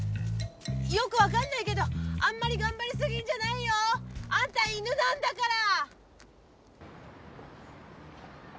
よく分かんないけどあんまり頑張りすぎんじゃないよ！あんた犬なんだから！